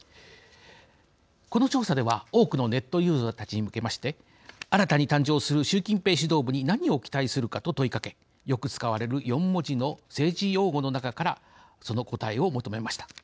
この調査では、多くのネットユーザーたちに向けまして新たに誕生する習近平指導部に何を期待するかと問いかけよく使われる四文字の政治用語の中からその答えを求めました。